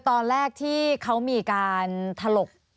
ตอนแรกที่เขามีการถลก